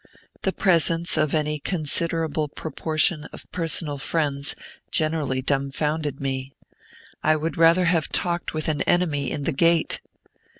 The presence of any considerable proportion of personal friends generally dumbfounded me. I would rather have talked with an enemy in the gate.